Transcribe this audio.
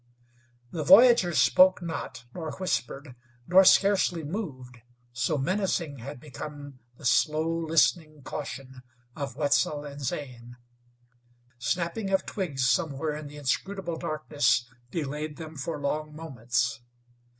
The voyagers spoke not, nor whispered, nor scarcely moved, so menacing had become the slow, listening caution of Wetzel and Zane. Snapping of twigs somewhere in the inscrutable darkness delayed them for long moments.